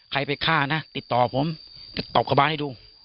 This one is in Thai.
ใครไปฆ่านะติดต่อผมตอบกลับบ้านให้ดู